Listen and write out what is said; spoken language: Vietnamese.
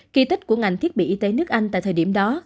kỳ tích của ngành thiết bị y tế nước anh tại thời điểm đó